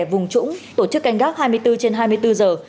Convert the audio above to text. vùng trũng tổ chức canh gác hai mươi bốn trên hai mươi bốn giờ